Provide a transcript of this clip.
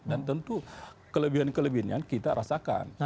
dan tentu kelebihan kelebihan yang kita rasakan